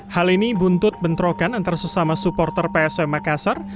hal ini buntut bentrokan antara sesama supporter psm makassar